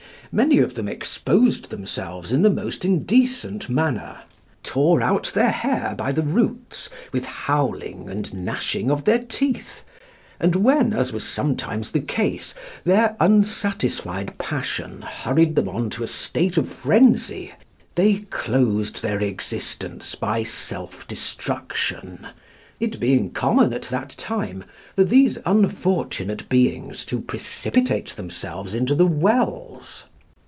Many of them exposed themselves in the most indecent manner, tore their hair out by the roots, with howling and gnashing of their teeth; and when, as was sometimes the case, their unsatisfied passion hurried them on to a state of frenzy, they closed their existence by self destruction; it being common at that time for these unfortunate beings to precipitate themselves into the wells.